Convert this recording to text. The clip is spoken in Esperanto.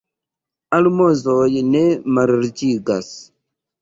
Almozoj ne malriĉigas.